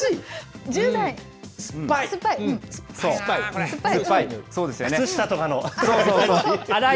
酸っぱい。